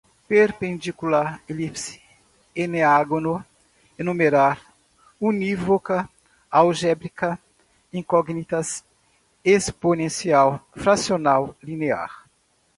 perpendicular, elipse, eneágono, enumerar, unívoca, algébrica, incógnitas, exponencial, fracional, linear